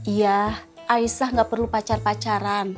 iya isah nggak perlu pacar pacaran